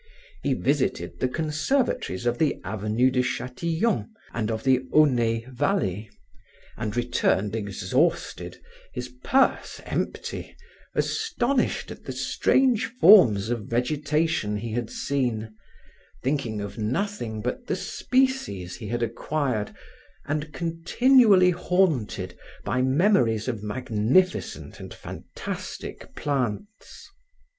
He visited the conservatories of the Avenue de Chatillon and of the Aunay valley, and returned exhausted, his purse empty, astonished at the strange forms of vegetation he had seen, thinking of nothing but the species he had acquired and continually haunted by memories of magnificent and fantastic plants.